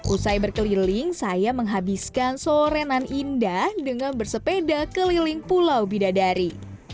usai berkeliling saya menghabiskan sorenan indah dengan bersepeda keliling pulau bidadari